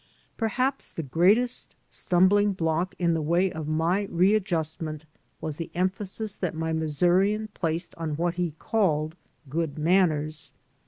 Perhaps the greatest stumbling block in the way of my readjustment was the emphasis that my Missourian placed on what he called good manners.